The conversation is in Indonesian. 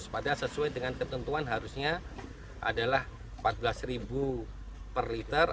padahal sesuai dengan ketentuan harusnya adalah rp empat belas per liter